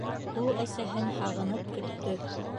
Ул әсәһен һағынып көттө.